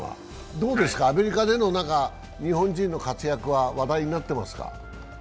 どうですか、アメリカでの日本人の活躍は話題になっていますか？